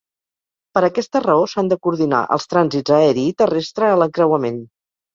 Per aquesta raó s'han de coordinar els trànsits aeri i terrestre a l'encreuament.